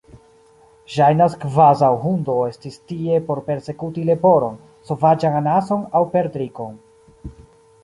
Ŝajnas kvazaŭ hundo estis tie por persekuti leporon, sovaĝan anason aŭ perdrikon.